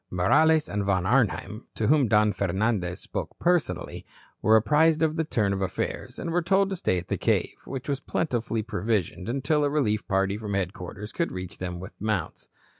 Morales and Von Arnheim, to whom Don Fernandez spoke personally, were apprised of the turn of affairs, and were told to stay at the cave, which was plentifully provisioned, until a relief party from headquarters could reach them with mounts.